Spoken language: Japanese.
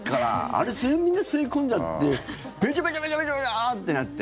あれ、みんな吸い込んじゃってべちゃべちゃべちゃってなって。